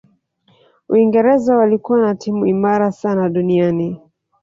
uingereza walikuwa na timu imara sana duniani